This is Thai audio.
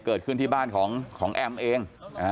เกิดขึ้นที่บ้านของแอมเอง